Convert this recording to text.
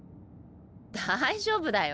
大丈夫だよ。